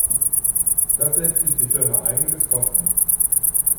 Das lässt sich die Firma einiges kosten.